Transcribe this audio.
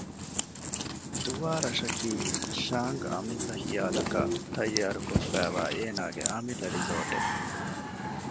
ދުވާރަށަކީ ޝާންގެ އަމިއްލަ ޚިޔާލަކަށް ތައްޔާރުކޮށްފައިވާ އޭނާގެ އަމިއްލަ ރިސޯރޓެއް